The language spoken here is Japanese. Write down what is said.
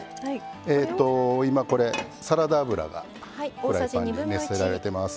今、サラダ油がフライパンに熱せられています。